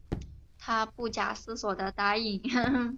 她不假思索的答应